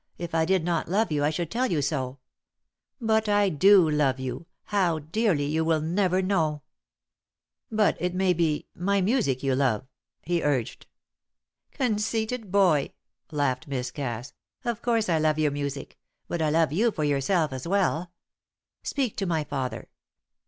If I did not love you I should tell you so. But I do love you, how, dearly you will never know." "But it may be my music you love," he urged. "Conceited boy," laughed Miss Cass. "Of course I love your music, but I love you for yourself as well. Speak to my father.